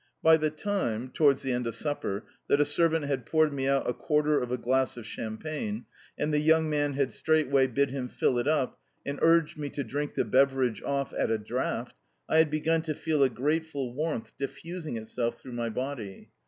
By the time (towards the end of supper) that a servant had poured me out a quarter of a glass of champagne, and the young man had straightway bid him fill it up and urged me to drink the beverage off at a draught, I had begun to feel a grateful warmth diffusing itself through my body.